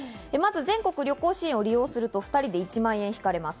全国旅行支援を利用すると、２人で１万円引かれます。